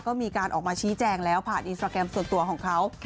ก็มีการออกมาชี้แจงแล้วผ่านอินสตราแกรมส่วนตัวของเขา